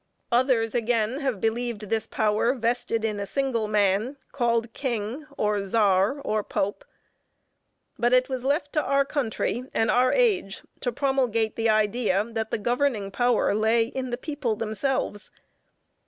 Others again have believed this power vested in a single man called King, or Czar, or Pope, but it was left to our country, and our age, to promulgate the idea that the governing power lay in the people themselves.